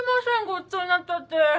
ごちそうになっちゃって。